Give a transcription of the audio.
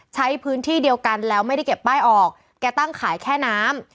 ใช้พื้นที่เดียวกันแล้วไม่ได้เก็บป้ายออกแกตั้งขายแค่น้ำ